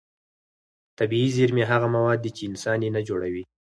طبیعي زېرمې هغه مواد دي چې انسان یې نه جوړوي.